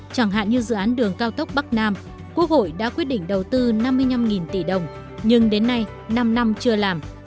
chẳng hạn như dự án đường cao tốc bắc nam quốc hội đã quyết định đầu tư năm mươi năm tỷ đồng nhưng đến nay năm năm chưa làm